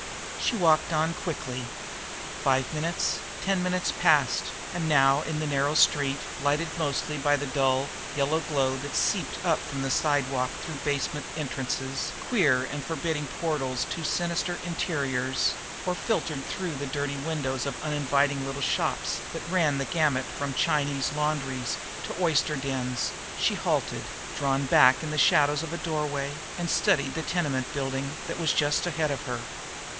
She walked on quickly. Five minutes, ten minutes passed; and now, in a narrow street, lighted mostly by the dull, yellow glow that seeped up from the sidewalk through basement entrances, queer and forbidding portals to sinister interiors, or filtered through the dirty windows of uninviting little shops that ran the gamut from Chinese laundries to oyster dens, she halted, drawn back in the shadows of a doorway, and studied a tenement building that was just ahead of her.